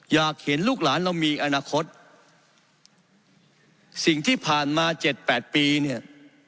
อยากเห็นลูกหลานเรามีอนาคตสิ่งที่ผ่านมาเจ็ดแปดปีเนี่ย